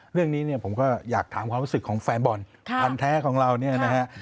เรื่องนี้ผมก็อยากถามความรู้สึกของแฟนบอลวันแท้ของเรานะครับ